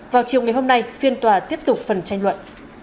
vào chiều ngày hôm nay phiên tòa tiếp tục phần tranh luận